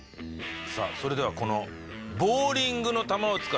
さあそれではこのいや